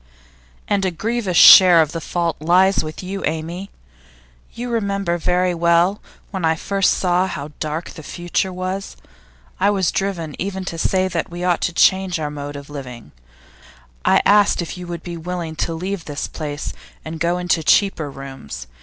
'And a grievous share of the fault lies with you, Amy. You remember very well when I first saw how dark the future was. I was driven even to say that we ought to change our mode of living; I asked you if you would be willing to leave this place and go into cheaper rooms.